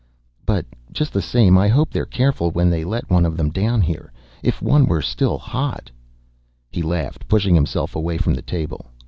"But just the same, I hope they're careful when they let one of them down here. If one were still hot " He laughed, pushing himself away from the table.